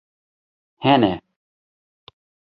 Hene